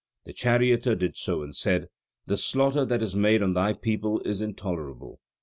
The charioteer did so, and said: "The slaughter that is made on thy people is intolerable."